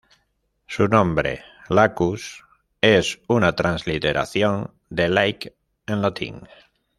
Su nombre, "Lacus", es una transliteración de "lake" en latín.